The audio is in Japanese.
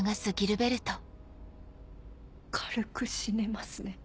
軽く死ねますね。